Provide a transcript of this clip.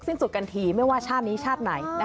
สิ้นสุดกันทีไม่ว่าชาตินี้ชาติไหน